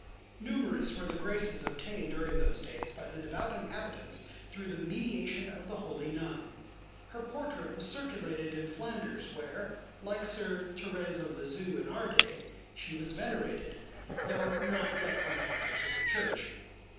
Numerous were the graces obtained during those days by the devout inhabitants through the mediation of the holy nun. Her portrait was circulated in Flanders where [like Soeur Thérèse of Lisieux in our day] she was venerated, though not yet on the Altars of the Church.